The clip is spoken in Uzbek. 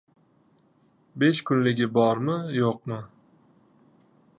Besh kunligi bormi-yo‘qmi...